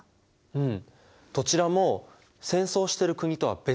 うん。